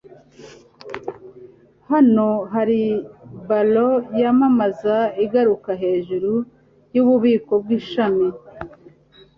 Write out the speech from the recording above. hano hari ballon yamamaza iguruka hejuru yububiko bwishami